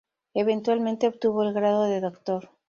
Eventualmente obtuvo el grado de doctor.